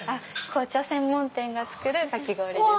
紅茶専門店が作るかき氷です。